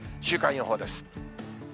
週間予報です。